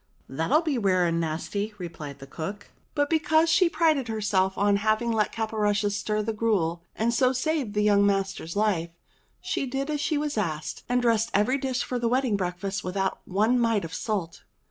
"That'll be rare and nasty," replied the cook; but be 3o8 ENGLISH FAIRY TALES cause she prided herself on having let Caporushes stir the gruel and so saved the young master's life, she did as she was asked, and dressed every dish for the wedding breakfast without one mite of salt.